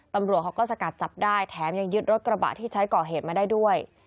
ตำรวจเขาก็สกัดจับได้แถมยังยึดรถกระบะที่ใช้ก่อเหตุมาได้ด้วย